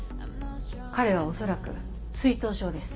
彼は恐らく水頭症です。